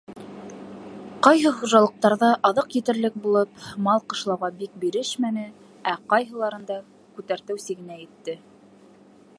Кайһы хужалыҡтарҙа аҙыҡ етерлек булып, мал ҡышлауға бик бирешмәне, ә ҡайһыларында күтәртеү сигенә етте.